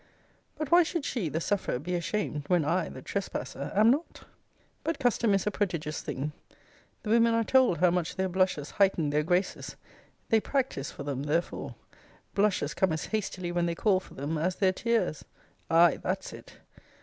But why should she, the sufferer, be ashamed, when I, the trespasser, am not? But custom is a prodigious thing. The women are told how much their blushes heighten their graces: they practise for them therefore: blushes come as hastily when they call for them, as their tears: aye, that's it!